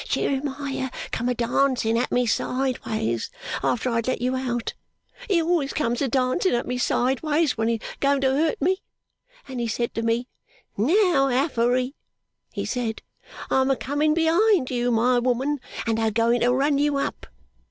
Jeremiah come a dancing at me sideways, after I had let you out (he always comes a dancing at me sideways when he's going to hurt me), and he said to me, "Now, Affery," he said, "I am a coming behind you, my woman, and a going to run you up."